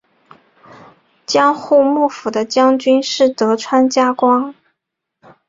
江户幕府的将军是德川家光。